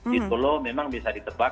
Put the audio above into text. di solo memang bisa ditebak